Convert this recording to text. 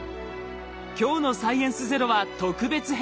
今日の「サイエンスＺＥＲＯ」は特別編。